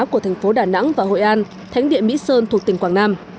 của thành phố đà nẵng và hội an thánh địa mỹ sơn thuộc tỉnh quảng nam